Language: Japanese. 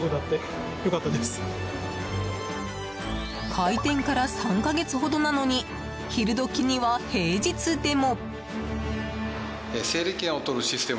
開店から３か月ほどなのに昼時には平日でも。